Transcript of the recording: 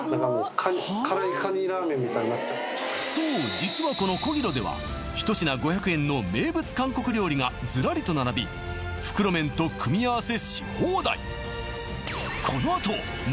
そう実はこのコギロでは１品５００円の名物韓国料理がずらりと並び袋麺と組み合わせ